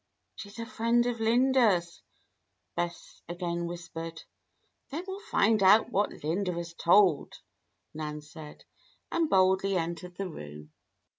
"She's a friend of Linda's," Bess again whispered. "Then we'll find out what Linda has told," Nan said, and boldly entered the room.